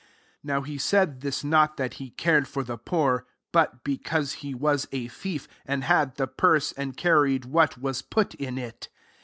6 Now he said this, not that he cared for the poor: but because he was a thief, and had the purse, and carried what was put in it.